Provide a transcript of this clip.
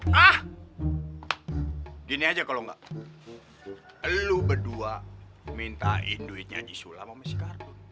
hai ah gini aja kalau enggak lu berdua minta induitnya isu lama meski kartu